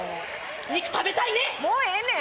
肉食べたいね！